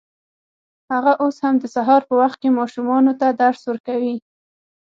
هغه اوس هم د سهار په وخت کې ماشومانو ته درس ورکوي